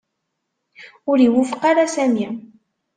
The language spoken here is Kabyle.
Ur iwufeq ara Sami.